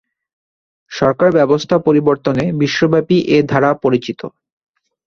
সরকার ব্যবস্থা পরিবর্তনে বিশ্বব্যাপী এ ধারা পরিচিত।